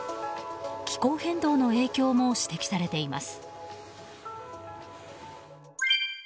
気候変動の影響も指摘されています。